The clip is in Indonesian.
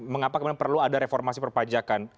mengapa kemudian perlu ada reformasi perpajakan